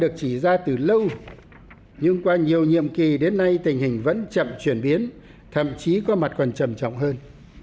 được chỉ ra từ lâu nhưng qua nhiều nhiệm kỳ đến nay tình hình vẫn chậm chuyển biến thậm chí có mặt còn trầm trọng hơn